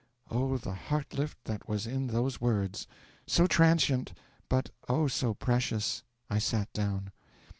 Oh, the heart lift that was in those words! so transient, but, oh, so precious! I sat down.